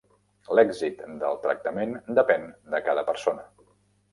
L'èxit del tractament depèn de cada persona.